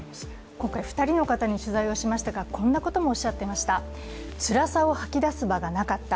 今回２人の方に取材をしましたが、こんなこともおっしゃっていました。